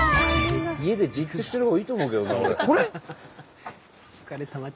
家でじっとしてるほうがいいと思うけどな俺。